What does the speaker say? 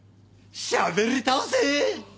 しゃべり倒せ！